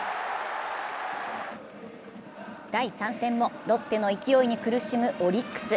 第３戦もロッテの勢いに苦しむオリックス。